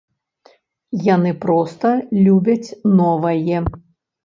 Яны проста любяць новае.